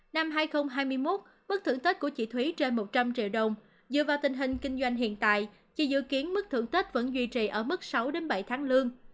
năm hai nghìn hai mươi một bức thưởng tết của chị thúy trên một trăm linh triệu đồng dựa vào tình hình kinh doanh hiện tại chỉ dự kiến mức thưởng tết vẫn duy trì ở mức sáu bảy tháng lương